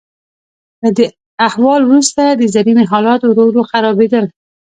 له دې احوال وروسته د زرینې حالات ورو ورو خرابیدل.